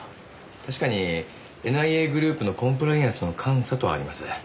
確かにＮＩＡグループのコンプライアンスの監査とあります。